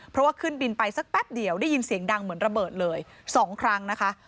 เพราะว่าขึ้นบินไปสักแป๊บเดียวได้ยินเสียงดังเหมือนระเบิดเลย๒ครั้งนะคะ